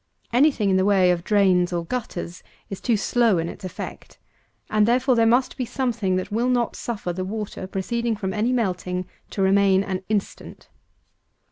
Any thing in way of drains or gutters, is too slow in its effect; and therefore there must be something that will not suffer the water proceeding from any melting, to remain an instant.